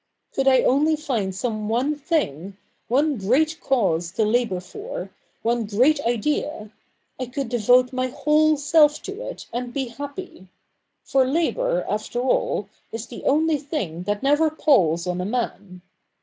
Could I only find some one thing — one great cause to labour for — one great idea — I could devote my whole self to it, and be happy : for labour, after all, is the only thing that never palls on a man.